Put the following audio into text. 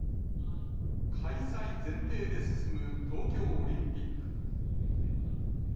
開催前提で進む東京オリンピック。